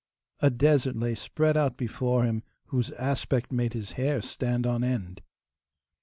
A desert lay spread out before him, whose aspect made his hair stand on end.